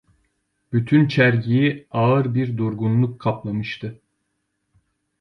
Bütün çergiyi ağır bir durgunluk kaplamıştı.